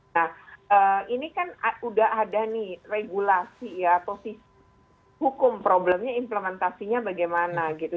nah ini kan udah ada nih regulasi ya atau sistem hukum problemnya implementasinya bagaimana gitu